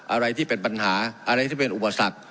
อะไรที่เป็นปัญหาอะไรที่เป็นอุบัติศักดิ์